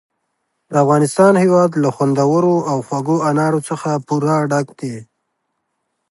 د افغانستان هېواد له خوندورو او خوږو انارو څخه پوره ډک دی.